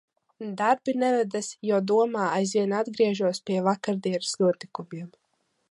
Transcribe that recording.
Darbi nevedas, jo domās aizvien atgriežos pie vakardienas notikumiem.